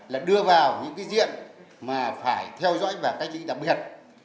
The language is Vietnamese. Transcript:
là đưa vào những diện mà phải theo dõi và cách lý đặc biệt